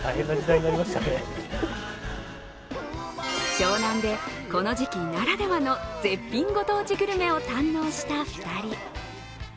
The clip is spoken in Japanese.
湘南でこの時期ならではの絶品ご当地グルメを堪能した２人。